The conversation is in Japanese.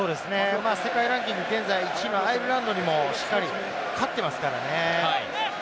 世界ランキング現在１位のアイルランドにも勝っていますからね。